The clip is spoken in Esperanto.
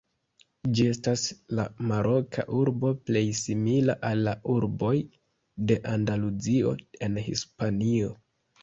Ĝi estas la maroka urbo plej simila al la urboj de Andaluzio en Hispanio.